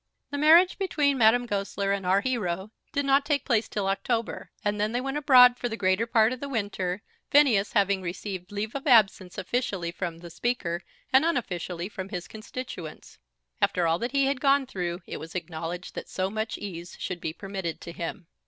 The marriage between Marie Goesler and our hero did not take place till October, and then they went abroad for the greater part of the winter, Phineas having received leave of absence officially from the Speaker and unofficially from his constituents. After all that he had gone through it was acknowledged that so much ease should be permitted to him.